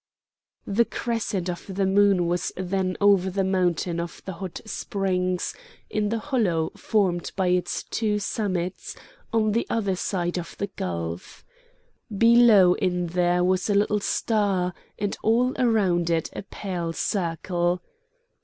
The crescent of the moon was then over the mountain of the Hot Springs, in the hollow formed by its two summits, on the other side of the gulf. Below it there was a little star, and all around it a pale circle.